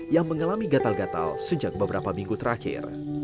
yang mengalami gatal gatal sejak beberapa minggu terakhir